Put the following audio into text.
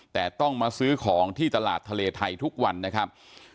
แต่ต้องมาซื้อของที่ตลาดทะเลไทยทุกวันนะครับ